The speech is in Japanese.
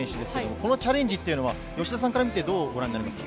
このチャレンジっていうのは吉田さんからみて、どうご覧になりますか？